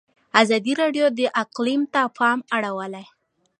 ازادي راډیو د اقلیم ته پام اړولی.